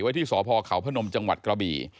ที่สพเขาพนมจังหวัดกระบี่